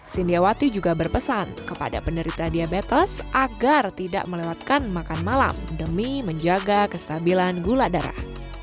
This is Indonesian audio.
sindiawati juga berpesan kepada penderita diabetes agar tidak melewatkan makan malam demi menjaga kestabilan gula darah